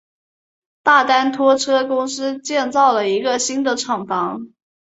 大丹拖车公司建造了一个新的厂房。